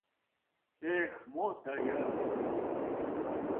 — Эх, мо тыйым!..